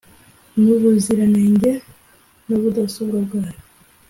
n ubuziranenge n ubudasobwa bwayo